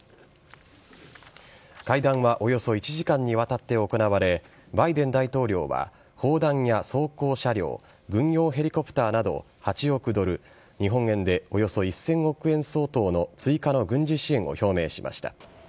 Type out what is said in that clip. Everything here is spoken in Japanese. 会談はおよそ１時間にわたって行われバイデン大統領は砲弾や装甲車両軍用ヘリコプターなど８億ドル日本円でおよそ１０００億円相当の追加の軍事支援を表明しました。